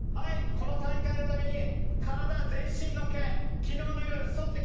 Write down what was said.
この大会のために体全身の毛昨日の夜そってきました。